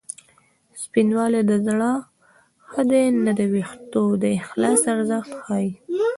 سپینوالی د زړه ښه دی نه د وېښتو د اخلاص ارزښت ښيي